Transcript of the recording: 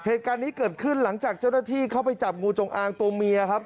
เหตุการณ์นี้เกิดขึ้นหลังจากเจ้าหน้าที่เข้าไปจับงูจงอางตัวเมียครับ